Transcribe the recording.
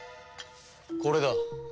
これだ。